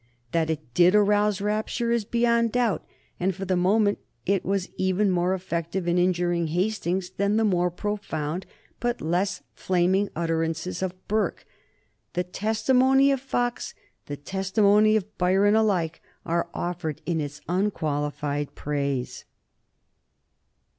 That it did arouse rapture is beyond doubt, and for the moment it was even more effective in injuring Hastings than the more profound but less flaming utterances of Burke. The testimony of Fox, the testimony of Byron, alike are offered in its unqualified praise.